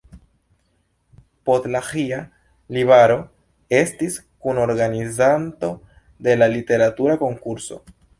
Podlaĥia Libraro estis kunorganizanto de la literatura konkurso.